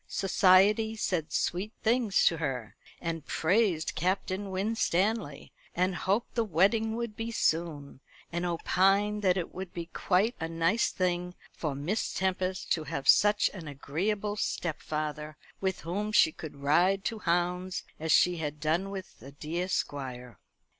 Society said sweet things to her; and praised Captain Winstanley; and hoped the wedding would be soon; and opined that it would be quite a nice thing for Miss Tempest to have such an agreeable stepfather, with whom she could ride to hounds as she had done with the dear Squire.